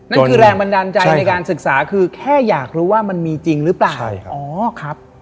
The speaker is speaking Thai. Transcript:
นั่นคือแรงบันดาลใจในการศึกษาคือแค่อยากรู้ว่ามันมีจริงหรือเปล่าใช่ครับอ๋อครับ